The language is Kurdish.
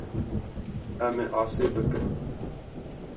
Em ê asê bikin.